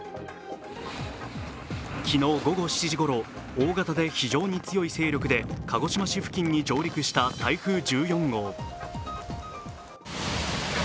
昨日午後７時ごろ、大型で非常に強い勢力で鹿児島市付近に上陸した台風１４号。